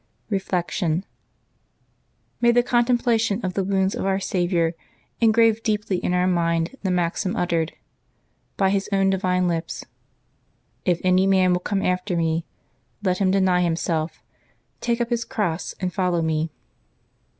'^ Reflection. — May the contemplation of the wounds of Our Saviour engrave deeply in our mind the maxim uttered LIVES OF THE SAINTS 7 by His own divine lips :" If any man will come after Me, let him deny himself, take up his cross, and follow Me."